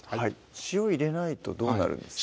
塩入れないとどうなるんですか？